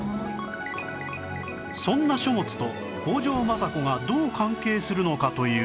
そんな書物と北条政子がどう関係するのかというと